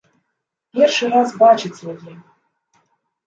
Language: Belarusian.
Першы раз бачыць яе!